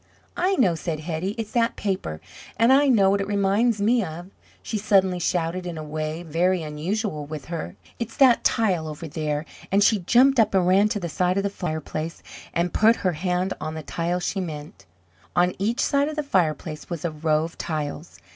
"I know," said Hetty; "it's that paper, and I know what it reminds me of," she suddenly shouted, in a way very unusual with her. "It's that tile over there," and she jumped up and ran to the side of the fireplace, and put her hand on the tile she meant. On each side of the fireplace was a row of tiles.